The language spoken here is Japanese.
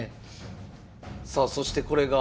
さあそしてこれが。